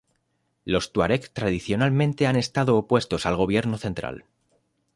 Los tuareg tradicionalmente han estado opuestos al gobierno central.